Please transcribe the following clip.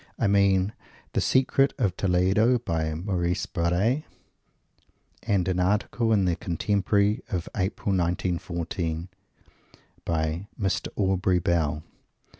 I mean the Secret of Toledo, by Maurice Barres, and an article in the "Contemporary" of April, 1914, by Mr. Aubrey Bell.